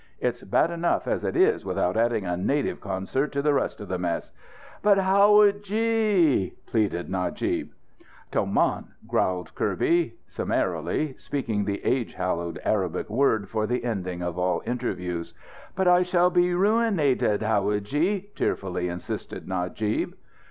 It's bad enough as it is without adding a native concert to the rest of the mess." "But, howadji!" pleaded Najib. "Tamán!" growled Kirby, summarily speaking the age hallowed Arabic word for the ending of all interviews. "But I shall be beruinated, howadji!" tearfully insisted Najib.